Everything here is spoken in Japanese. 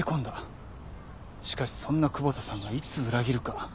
しかしそんな窪田さんがいつ裏切るか。